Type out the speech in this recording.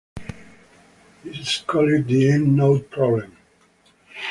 This is called the End Node Problem.